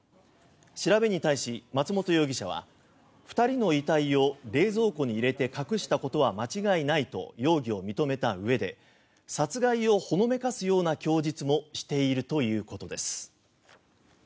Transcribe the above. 調べに対し、松本容疑者は２人の遺体を冷蔵庫に入れて隠したことは間違いないと容疑を認めたうえで殺害をほのめかすような供述もしているということです。